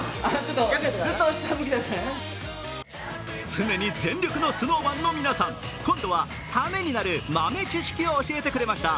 常に全力のＳｎｏｗＭａｎの皆さん今度は、ためになる豆知識を教えてくれました。